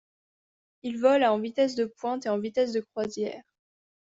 Il vole à en vitesse de pointe et en vitesse de croisière.